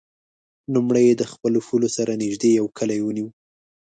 لومړی یې د خپلو پولو سره نژدې یو کلی ونیو.